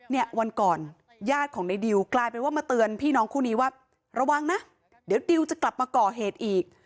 เนี่ยวันก่อนญาติของในดิวกลายเป็นว่ามาเตือนพี่น้องคู่นี้ว่าระวังนะเดี๋ยวดิวจะกลับมาก่อเหตุอีก